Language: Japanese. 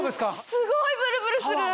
すごいブルブルする。